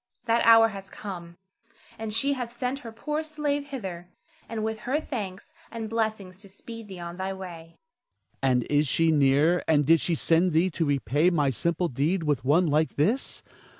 That hour hath come, and she hath sent her poor slave hither, and with her thanks and blessing to speed thee on thy way. Ernest. And is she near, and did she send thee to repay my simple deed with one like this?